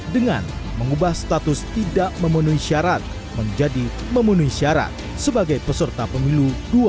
dengan mengubah status tidak memenuhi syarat menjadi memenuhi syarat sebagai peserta pemilu dua ribu dua puluh